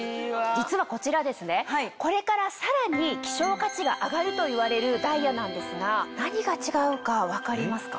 実はこちらこれからさらに希少価値が上がるといわれるダイヤなんですが何が違うか分かりますか？